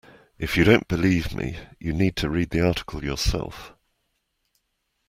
If you don't believe me, you need to read the article yourself